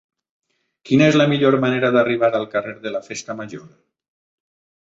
Quina és la millor manera d'arribar al carrer de la Festa Major?